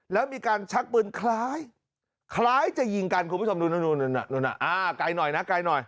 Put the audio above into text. แล้วมีการชักปืนคล้ายคล้ายจะยิงกันคุณผู้ชมดูนะไกลหน่อยนะ